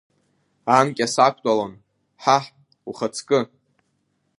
Анкьа сақәтәалон, ҳаҳ, ухаҵкы!